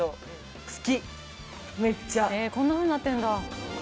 こんなふうになってんだ。